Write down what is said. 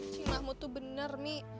cik mahmu tuh bener mi